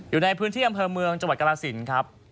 อยู่ในพื้นที่อำเภอเมืองจังหวัดกรสินครับ